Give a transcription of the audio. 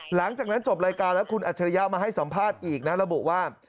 หลังจากนั้นจบรายการแล้วคุณอัจฉริยะมาให้สัมภาษณ์อีกนะระบุว่า